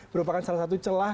merupakan salah satu celah